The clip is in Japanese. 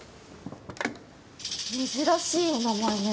珍しいお名前ね。